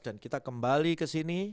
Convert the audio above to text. dan kita kembali ke sini